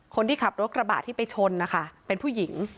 คนที่ขับรถกระบะที่ไปชนนะคะเป็นผู้หญิง